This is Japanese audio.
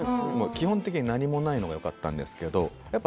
基本的に何もないのがよかったんですけどやっぱ